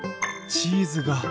チーズが。